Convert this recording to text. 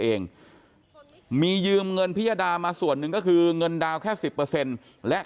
เองมียืมเงินพิยาดามาส่วนนึงก็คือเงินดาวแค่๑๐และ